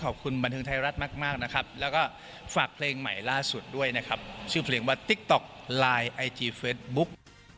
ขอบคุณบันเทิงไทยรัฐมากนะครับแล้วก็ฝากเพลงใหม่ล่าสุดด้วยนะครับชื่อเพลงว่าติ๊กต๊อกไลน์ไอจีเฟสบุ๊ก